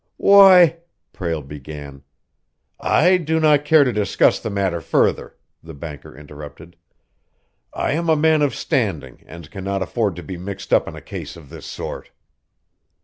"Why " Prale began. "I do not care to discuss the matter further," the banker interrupted. "I am a man of standing and cannot afford to be mixed up in a case of this sort."